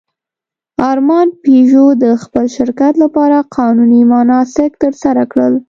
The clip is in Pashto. ارمان پيژو د خپل شرکت لپاره قانوني مناسک ترسره کړل.